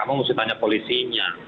kamu mesti tanya polisinya